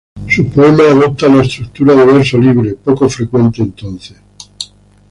Sus poemas adoptan la estructura de verso libre, poco frecuente entonces.